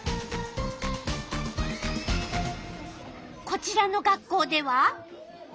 こちらの学校では。